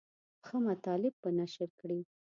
ښه مطالب به نشر کړي.